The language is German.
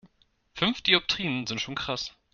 Fünf Dioptrien sind schon krass.